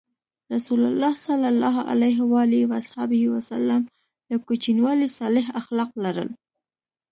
رسول الله ﷺ له کوچنیوالي صالح اخلاق لرل.